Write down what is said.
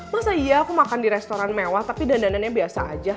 masa iya aku makan di restoran mewah tapi dandanannya biasa aja